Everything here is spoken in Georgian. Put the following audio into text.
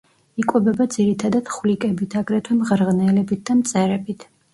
იკვებება ძირითადად ხვლიკებით, აგრეთვე მღრღნელებით და მწერებით.